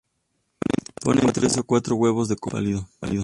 Ponen tres o cuatro huevos de color azul pálido.